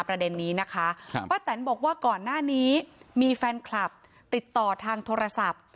ประเด็นนี้นะคะป้าแตนบอกว่าก่อนหน้านี้มีแฟนคลับติดต่อทางโทรศัพท์